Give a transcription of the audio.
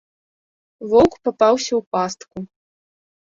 Воўк папаўся ў пастку.